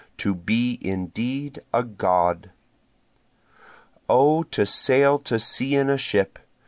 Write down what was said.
To be indeed a God! O to sail to sea in a ship!